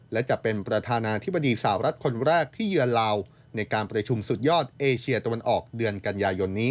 และจะเป็นประธานาธิบดีสาวรัฐคนแรกที่เยือนลาวในการประชุมสุดยอดเอเชียตะวันออกเดือนกันยายนนี้